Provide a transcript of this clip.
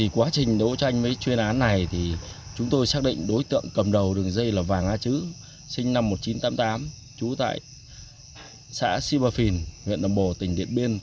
quá trình đấu tranh với chuyên án này thì chúng tôi xác định đối tượng cầm đầu đường dây là vàng a chứ sinh năm một nghìn chín trăm tám mươi tám trú tại xã sipafin huyện đồng bồ tỉnh điện biên